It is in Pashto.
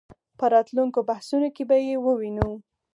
په راتلونکو بحثونو کې به ووینو.